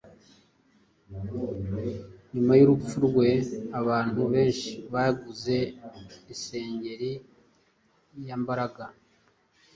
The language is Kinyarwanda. Nyuma y’urupfu rwe abantu benshi baguze isengeri yambaraga